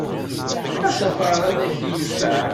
Asafar-a ad k-yenfeɛ!